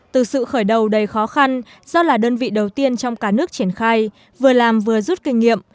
từ sự khởi đầu đầy khó khăn do là đơn vị đầu tiên trong cả nước triển khai vừa làm vừa rút kinh nghiệm